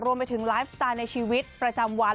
รวมไปถึงไลฟ์สไตล์ในชีวิตประจำวัน